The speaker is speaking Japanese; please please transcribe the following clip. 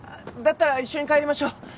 だったら一緒に帰りましょう。